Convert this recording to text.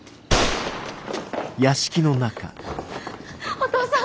お父さん！